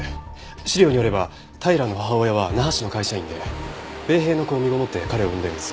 資料によれば平良の母親は那覇市の会社員で米兵の子を身ごもって彼を産んでいます。